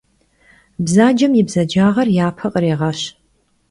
Bzacem yi bzacağer yape khrêğeş.